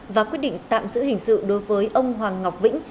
và quyết định tạm giữ hình sự đối với ông hoàng ngọc vĩnh